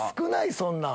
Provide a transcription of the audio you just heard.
そんなん。